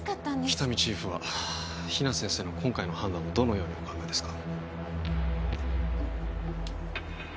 喜多見チーフは比奈先生の今回の判断をどのようにお考えですか？